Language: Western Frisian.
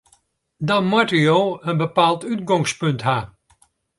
Dan moatte jo in bepaald útgongspunt ha.